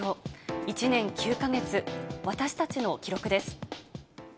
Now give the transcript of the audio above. １年９か月、私たちの記録です。